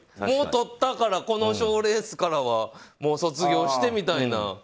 もうとったからこの賞レースからは卒業してみたいな。